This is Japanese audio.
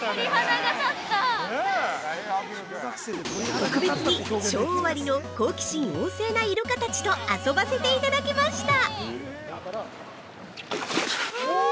◆特別に、ショー終わりの好奇心旺盛なイルカたちと遊ばせていただきました！